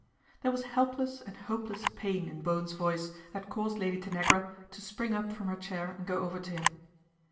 There was helpless and hopeless pain in Bowen's voice that caused Lady Tanagra to spring up from her chair and go over to him.